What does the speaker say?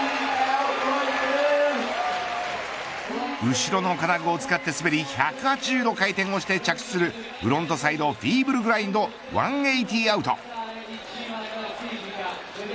後ろの金具を使って滑り１８０度回転をして着地するフロントサイドフィーブルグラインド１８０アウト。